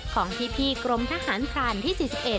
ของพี่กรมทหารพรานที่๔๑